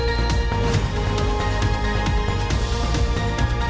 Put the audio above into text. อาทิตย์แก้วตาดวงใจแก้วตาดวงใจแก้วตาดวงใจ